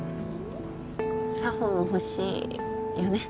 佐帆も欲しいよね？